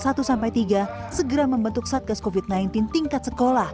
segera membentuk satgas covid sembilan belas tingkat sekolah